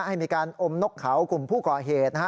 ให้มีการอมนกเขากลุ่มผู้ก่อเหตุนะฮะ